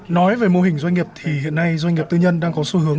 nói về mô hình doanh nghiệp thì hiện nay doanh nghiệp tư nhân đang có xu hướng